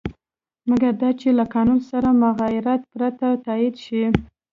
مګر دا چې له قانون سره مغایرت پرته تایید شي.